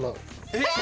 えっ？